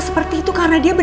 mas'ma tinggal jam goreng